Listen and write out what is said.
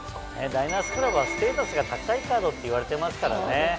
ダイナースクラブはステータスが高いカードっていわれてますからね。